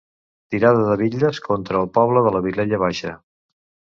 Tirada de bitlles contra el poble de la Vilella Baixa.